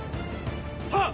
はっ！